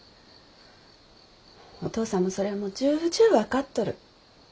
お父さんもそれはもう重々分かっとる。